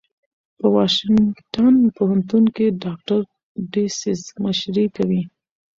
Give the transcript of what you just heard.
په واشنګټن پوهنتون کې ډاکټر ډسیس مشري کوي.